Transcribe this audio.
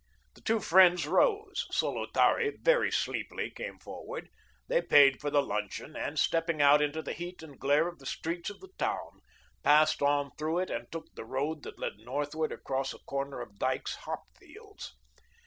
The two friends rose; Solotari very sleepily came forward; they paid for the luncheon, and stepping out into the heat and glare of the streets of the town, passed on through it and took the road that led northward across a corner of Dyke's hop fields.